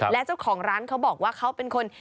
และเจ้าของร้านเขาบอกว่าเขาเป็นคน